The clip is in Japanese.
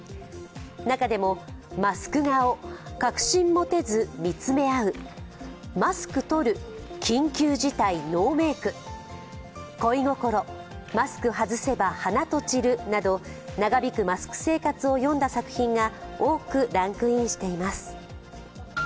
中でも、「マスク顔確信持てず見つめ合う」、「マスクとる緊急事態ノーメイク」「恋心マスク外せば花と散る」など長引くマスク生活を詠んだ作品が多くランクインしています。